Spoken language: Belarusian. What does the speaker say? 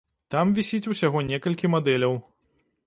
Там вісіць усяго некалькі мадэляў.